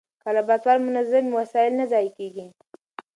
که لابراتوار منظم وي، وسایل نه ضایع کېږي.